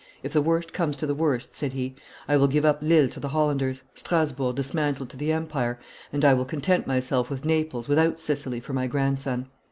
"If the worst comes to the worst," said he, "I will give up Lille to the Hollanders, Strasburg dismantled to the Empire, and I will content myself with Naples without Sicily for my grandson.